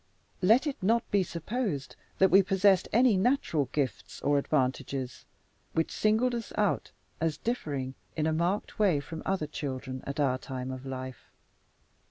Let it not be supposed that we possessed any natural gifts, or advantages which singled us out as differing in a marked way from other children at our time of life.